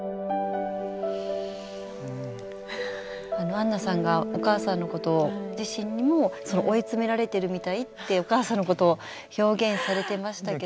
あんなさんがお母さんのこと自身にも追い詰められてるみたいってお母さんのことを表現されてましたけど。